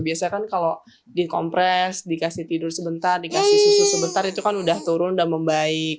biasanya kan kalau dikompres dikasih tidur sebentar dikasih susu sebentar itu kan udah turun udah membaik